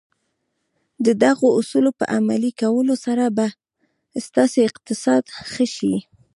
د دغو اصولو په عملي کولو سره به ستاسې اقتصاد ښه شي.